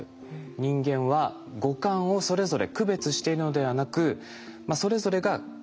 人間は五感をそれぞれ区別しているのではなくそれぞれが関わっている。